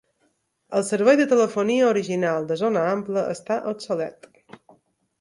El servei de telefonia original de zona ampla està obsolet.